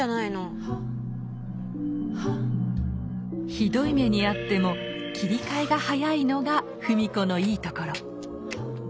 ひどい目に遭っても切り替えが早いのが芙美子のいいところ。